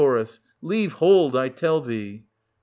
Leave hold, I tell thee